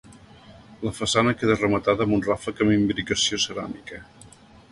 La façana queda rematada amb un ràfec amb imbricació ceràmica.